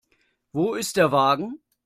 Wo ist der Wagen?